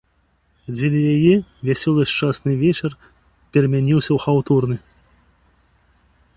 Дзеля яе вясёлы шчасны вечар перамяніўся ў хаўтурны.